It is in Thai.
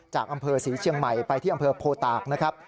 จากอำเภอศรีเชียงใหม่ไปที่อำเภอโพตากนะครับ